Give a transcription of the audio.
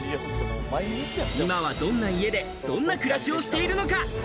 今はどんな家でどんな暮らしをしているのか。